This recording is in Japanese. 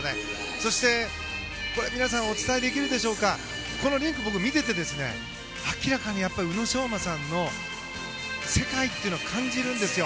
そして皆さんにお伝えできるでしょうかこのリンクを見ていて明らかに宇野昌磨さんの世界というのを感じるんですよ。